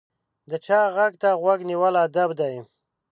د چا غږ ته غوږ نیول ادب دی.